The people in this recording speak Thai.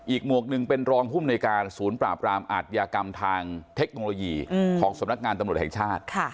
หมวกหนึ่งเป็นรองภูมิในการศูนย์ปราบรามอาทยากรรมทางเทคโนโลยีของสำนักงานตำรวจแห่งชาติ